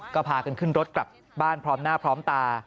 ก็พากันขึ้นรถกลับบ้านพร้อมหน้าพร้อมตา